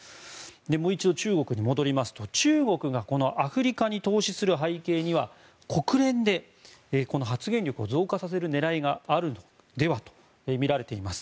もう一度、中国に戻りますと中国がアフリカに投資する背景には国連で発言力を増加させる狙いがあるのではとみられています。